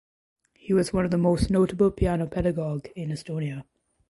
He was one of the most notable piano pedagogue in Estonia.